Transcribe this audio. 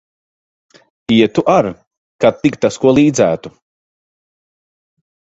Ietu ar, kad tik tas ko līdzētu.